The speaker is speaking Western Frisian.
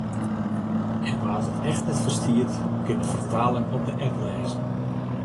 En wa’t it echt net ferstiet, kin de fertaling op de app lêze.